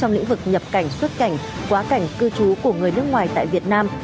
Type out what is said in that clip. trong lĩnh vực nhập cảnh xuất cảnh quá cảnh cư trú của người nước ngoài tại việt nam